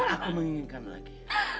aku menginginkan lagi